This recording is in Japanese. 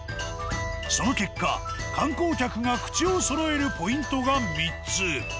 その結果観光客が口をそろえるポイントが３つ。